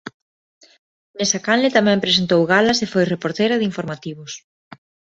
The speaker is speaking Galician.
Nesa canle tamén presentou galas e foi reporteira de informativos.